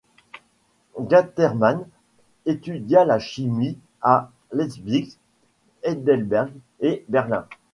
Gattermann étudia la chimie à Leipzig, Heidelberg et Berlin.